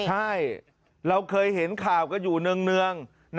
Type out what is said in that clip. ใช่เราเคยเห็นข่าวกันอยู่เนื่อง